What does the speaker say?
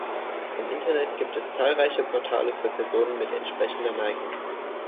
Im Internet gibt es zahlreiche Portale für Personen mit entsprechender Neigung.